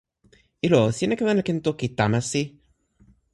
ilo o, sina ken ala ken toki Tamasi?